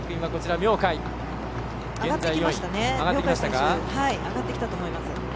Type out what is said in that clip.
明貝選手上がってきたと思います。